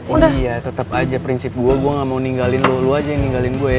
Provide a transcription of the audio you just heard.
oh iya tetap aja prinsip gue gue gak mau ninggalin lo aja yang ninggalin gue ya